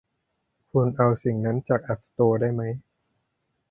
คุณเอาสิ่งนั้นจากแอพสโตร์ได้มั้ย